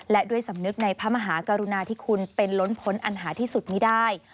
และด้วยสำนึกในพระมหากรุณาที่คุณเป็นล้นพ้นอันหาที่สุดไม่ได้